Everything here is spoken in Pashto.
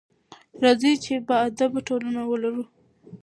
راځئ چې باادبه ټولنه ولرو.